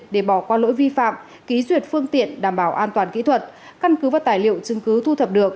để bỏ qua lỗi vi phạm ký duyệt phương tiện đảm bảo an toàn kỹ thuật căn cứ và tài liệu chứng cứ thu thập được